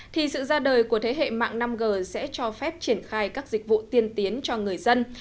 thì sự ra đời của thế hệ mạng năm g sẽ cho phép triển khai các dịch vụ tiên tiến cho người dân